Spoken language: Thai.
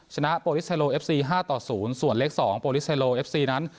ชนะโปรลิสเฮโรเอฟซีห้าต่อศูนย์ส่วนเลขสองโปรลิสเฮโรเอฟซีนั้น